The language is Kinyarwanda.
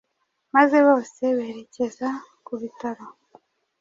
maze bose berekeza ku bitaro.